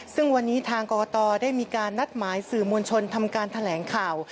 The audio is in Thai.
ซึ่งวันนี้ทางกรกตได้มีการนัดหมายสื่อมวลชนทำการแถลงข่าว